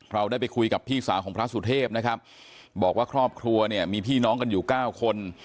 เราได้ไปคุยกับพี่สาวของพระสุเทพนะครับบอกว่าครอบครัวเนี่ยมีพี่น้องกันอยู่เก้าคน